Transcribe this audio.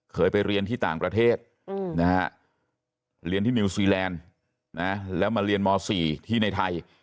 เคยไปเรียนที่ต่างประเทศเรียนที่นิวซีแลนด์แล้วมาเรียนม๔ที่ในไทย